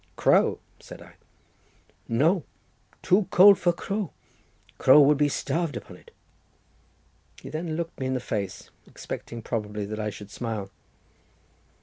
"Crow?" said I. "No; too cold for crow; crow would be starved upon it." He then looked me in the face, expecting probably that I should smile.